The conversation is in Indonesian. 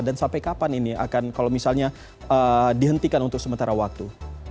dan sampai kapan ini akan kalau misalnya dihentikan untuk sementara waktu